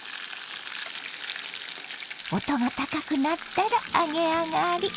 音が高くなったら揚げ上がり。